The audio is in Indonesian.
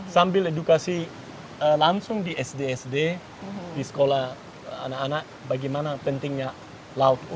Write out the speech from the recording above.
sambil edukasi langsung di sd sd di sekolah anak anak bagaimana pentingnya lauk